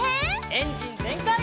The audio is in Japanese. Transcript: エンジンぜんかい！